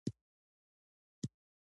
برزو اغوستل په ژمي کي ښه وي.